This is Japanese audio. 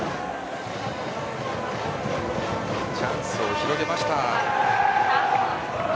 チャンスを広げました。